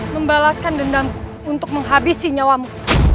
membalaskan dendam untuk menghabisi nyawamu